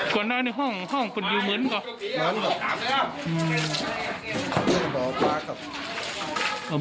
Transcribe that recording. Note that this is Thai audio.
ก็น่าในห้องห้องเป็นอยู่เหมือนกับเหมือนกับอืม